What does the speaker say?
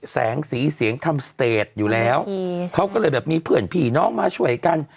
แสงสีเสียงทำสเตจอยู่แล้วเขาก็เลยแบบมีเพื่อนผีน้องมาช่วยกัน